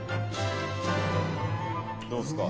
どうっすか？